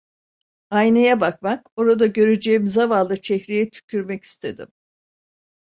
Aynaya bakmak, orada göreceğim zavallı çehreye tükürmek istedim.